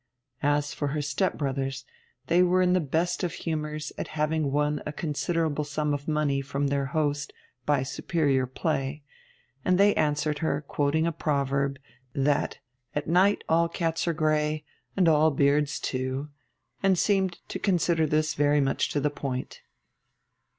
As for her step brothers, they were in the best of humours at having won a considerable sum of money from their host by superior play; and they answered her, quoting a proverb, that 'at nights all cats are grey, and all beards too,' and seemed to consider this very much to the point.